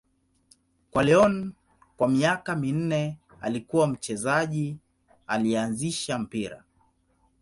Kwa Lyon kwa miaka minne, alikuwa mchezaji aliyeanzisha mpira.